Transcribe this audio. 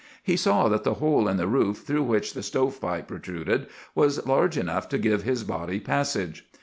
He saw that the hole in the roof through which the stovepipe protruded was large enough to give his body passage.